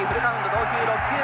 投球６球目。